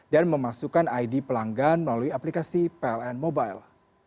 dan memasukkan id pelanggan melalui aplikasi pln mobile